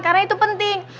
karena itu penting